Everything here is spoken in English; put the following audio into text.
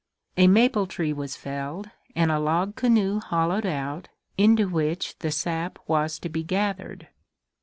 A maple tree was felled and a log canoe hollowed out, into which the sap was to be gathered.